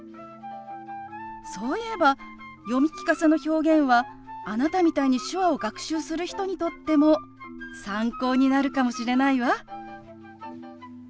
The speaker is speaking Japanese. そういえば読み聞かせの表現はあなたみたいに手話を学習する人にとっても参考になるかもしれないわ。